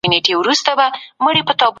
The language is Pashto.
هغه څه چي مینه بلل کیږي څه شی دی؟